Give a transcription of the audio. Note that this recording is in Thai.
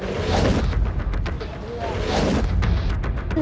ติดเรื่อง